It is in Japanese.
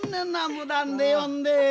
無断で読んで。